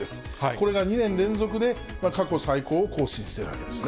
これが２年連続で過去最高を更新しているわけですね。